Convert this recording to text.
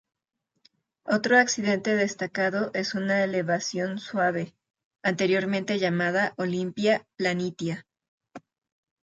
Otro accidente destacado es una elevación suave, anteriormente llamada Olympia Planitia.